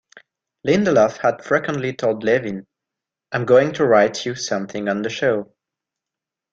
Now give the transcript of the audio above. Lindelof had frequently told Levine, "I'm going to write you something on the show".